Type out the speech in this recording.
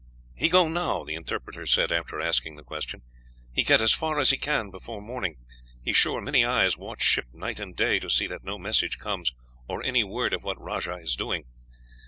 "He go now," the interpreter said, after asking the question. "He get as far as he can before morning. He sure many eyes watch ship night and day to see that no message comes, or any word of what rajah is doing.